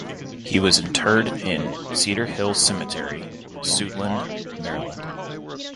He was interred in Cedar Hill Cemetery, Suitland, Maryland.